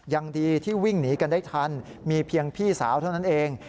ยังดีที่วิ่งหนีกันได้ทันมีเพียงพี่สาวเท่านั้นเอง